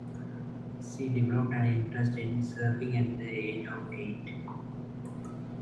She developed an interest in surfing at the age of eight.